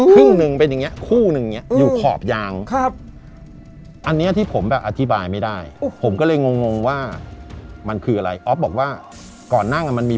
ครึ่งหนึ่งเป็นอย่างนี้